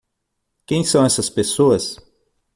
Quem são essas pessoas?